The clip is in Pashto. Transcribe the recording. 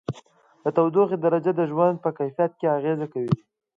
د تودوخې درجه د ژوند په کیفیت اغېزه کوي.